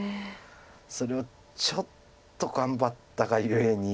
それをちょっと頑張ったがゆえに。